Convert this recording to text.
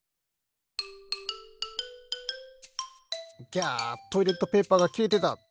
ギャトイレットペーパーがきれてた！